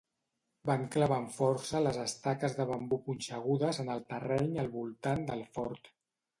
Van clavar amb força les estaques de bambú punxegudes en el terreny al voltant del fort.